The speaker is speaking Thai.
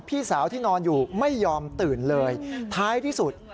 พี่สาวที่นอนอยู่ไม่ยอมตื่นเลยท้ายที่สุด